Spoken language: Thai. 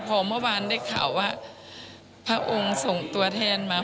พอเมื่อวานได้ข่าวว่าพระองค์ส่งตัวแทนมา